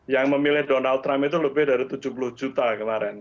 yang memilih donald trump itu lebih dari tujuh puluh juta kemarin